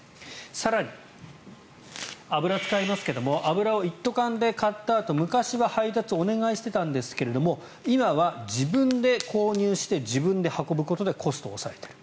更に、油を使いますが油を一斗缶で買ったあと昔は配達をお願いしてたんですが今は自分で購入して自分で運ぶことでコストを抑えている。